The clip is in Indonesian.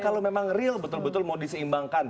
kalau memang real betul betul mau diseimbangkan